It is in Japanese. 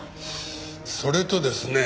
それとですね